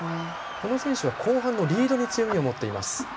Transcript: この選手は後半のリードに強みを持っています。